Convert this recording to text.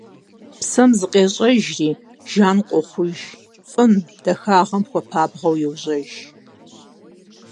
Псэм зыкъещӏэжри, жан къохъуж, фӏым, дахагъэм хуэпабгъэу йожьэж.